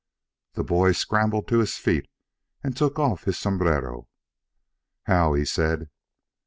The boy scrambled to his feet and took off his sombrero. "How," he said.